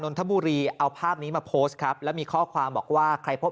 นทบุรีเอาภาพนี้มาโพสต์ครับแล้วมีข้อความบอกว่าใครพบ